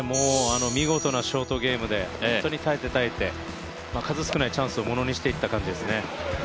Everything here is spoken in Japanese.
見事なショートゲームで、本当に耐えて耐えて数少ないチャンスをものにしていった感じですね。